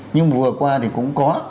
nhưng vừa qua thì cũng có